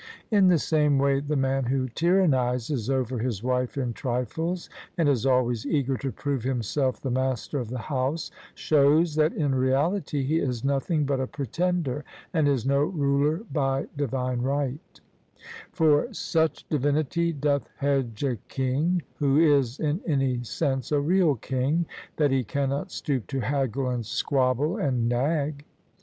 In the same way the man who tyrannises over his wife m trifles and is always eager to prove himself the mas ter of the house, shows that in reality he is nothing but a pretender, and is no ruler by divine right For such divinity doth hedge a king, who is in any sense a real king, that he cannot stoop to haggle and squabble and nag.